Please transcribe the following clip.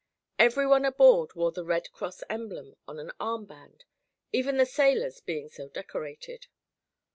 Everyone aboard wore the Red Cross emblem on an arm band, even the sailors being so decorated.